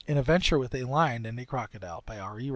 _ AN ADVENTURE WITH A LION AND A CROCODILE By R. E.